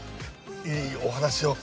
いいお話を。